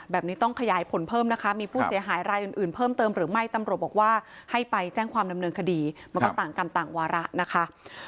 แบบนี้ต้องขยายผลเพิ่มนะคะมีผู้เสียหายรายอื่นเพิ่มเติมหรือไม่ตำรวจบอกว่าให้ไปแจ้งความดำเนินคดีมันก็ต่างกรรมต่างวาระนะคะ